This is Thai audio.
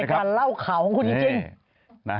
ชอบรำในกับเล่าข่าวของคุณจริง